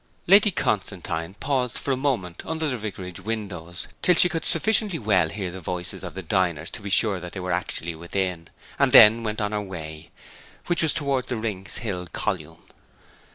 Lady Constantine paused for a moment under the vicarage windows, till she could sufficiently well hear the voices of the diners to be sure that they were actually within, and then went on her way, which was towards the Rings Hill column.